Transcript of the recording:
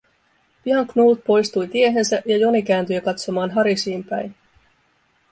Pian Knut poistui tiehensä ja Joni kääntyi katsomaan Harishiin päin.